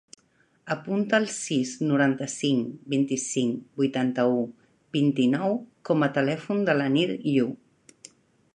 Apunta el sis, noranta-cinc, vint-i-cinc, vuitanta-u, vint-i-nou com a telèfon de l'Anir Yu.